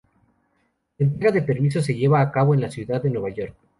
La entrega de premios se lleva a cabo en la ciudad de Nueva York.